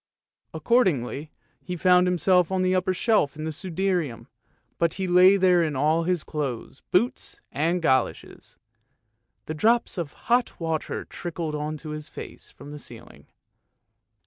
" Accordingly he found himself on the upper shelf in the " Sudarium," but he lay there in all his clothes, boots and goloshes; the drops of hot water trickled on to his face from the ceiling.